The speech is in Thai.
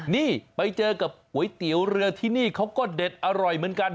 นี่ไปเจอกับก๋วยเตี๋ยวเรือที่นี่เขาก็เด็ดอร่อยเหมือนกัน